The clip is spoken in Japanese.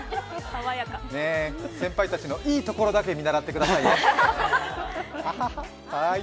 先輩たちのいいところだけ見習ってくださいねアハハ。